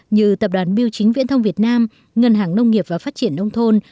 như tập đoàn biêu chính viễn thông việt nam ngân hàng nông nghiệp và phát triển nông thôn